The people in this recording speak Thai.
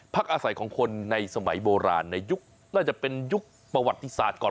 พักอาศัยของคนในสมัยโบราณในยุคน่าจะเป็นยุคประวัติศาสตร์ก่อน